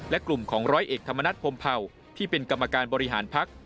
และกลุ่มของร้อยเอกธรรมนัฐพรมเผ่าที่เป็นกรรมการบริหารพัก